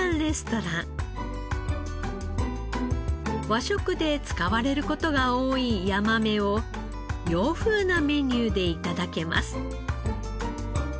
和食で使われる事が多いヤマメを洋風なメニューで頂けます。